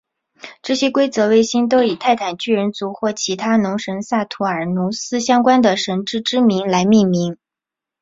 这些规则卫星都以泰坦巨人族或其他与农神萨图尔努斯相关的神只之名来命名。